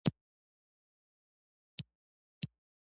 یرغل په پای کې پیل شو.